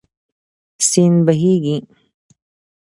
سیند بهېږي.